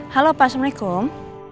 halo pak assalamualaikum